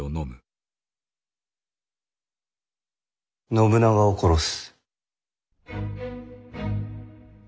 信長を殺す。